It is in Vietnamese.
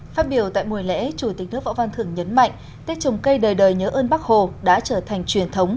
phát biểu tại buổi lễ chủ tịch nước võ văn thưởng nhấn mạnh tết trồng cây đời đời nhớ ơn bác hồ đã trở thành truyền thống